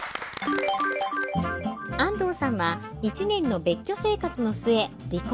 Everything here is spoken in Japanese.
安藤さんは１年の別居生活の末離婚。